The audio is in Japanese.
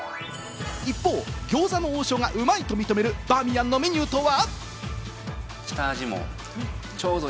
一方、餃子の王将がうまいと認めるバーミヤンのメニューとは？